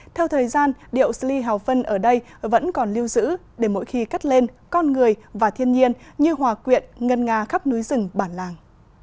theo thời gian điệu sli hào phân ở đây vẫn còn lưu giữ để mỗi khi cắt lên con người và thiên nhiên như hòa quyện ngân nga khắp núi rừng bản làng